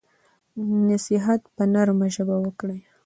نصیحت په نرمه ژبه وکړئ.